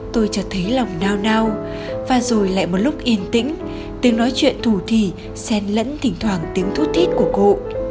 tôi chẳng thấy lòng nao nao và rồi lại một lúc yên tĩnh tiếng nói chuyện thủ thỉ xen lẫn thỉnh thoảng tiếng thú thít của cụ